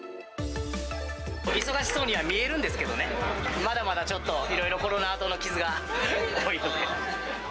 忙しそうには見えるんですけどね、まだまだちょっと、いろいろコロナあとの傷が多いので。